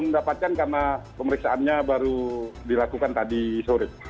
mendapatkan karena pemeriksaannya baru dilakukan tadi sore